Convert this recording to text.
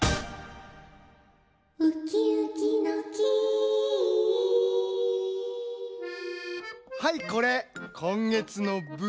ウキウキの木はいこれこんげつのぶん。